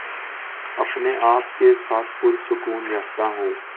اپنے آپ کے ساتھ پرسکون رہتا ہوں